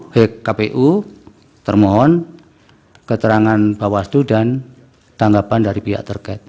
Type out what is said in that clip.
pihak kpu termohon keterangan bawaslu dan tanggapan dari pihak terkait